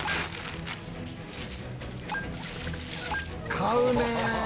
買うね！